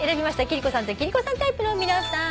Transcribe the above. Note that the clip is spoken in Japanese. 貴理子さんと貴理子さんタイプの皆さん。